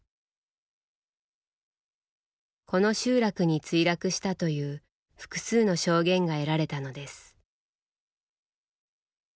この集落に墜落したという複数の証言が得られたのです。